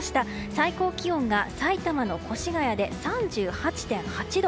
最高気温が埼玉の越谷で３８．８度。